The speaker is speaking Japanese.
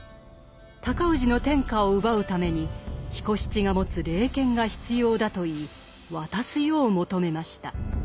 尊氏の天下を奪うために彦七が持つ霊剣が必要だと言い渡すよう求めました。